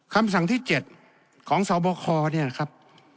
คำสั่งที่๗ของสบคเนี่ยนะครับ